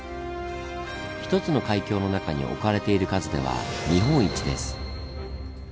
一つの海峡の中に置かれている数では日本一です。